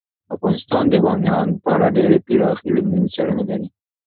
افغانستان د بامیان په اړه ډیرې پراخې او علمي څېړنې لري.